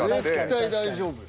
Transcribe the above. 絶対大丈夫よ。